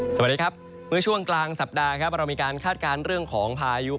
สวัสดีครับเมื่อช่วงกลางสัปดาห์ครับเรามีการคาดการณ์เรื่องของพายุ